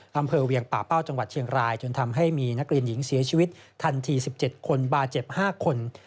อำเภอเวียงป่าเป้าจังหวัดเชียงรายจนทำให้มีนักเรียนหญิงเสียชีวิตทันที๑๗คนบาดเจ็บ๕คน